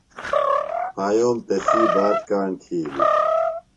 پھایوم تسی بات کاݨ تِھیلیۡ۔